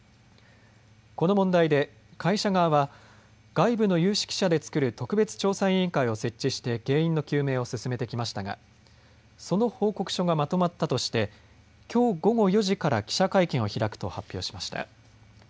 この問題で会社側は外部の有識者で作る特別調査委員会を設置して原因の究明を進めてきましたがその報告書がまとまったとしてきょう午後４時から記者会見を開くと発表しました。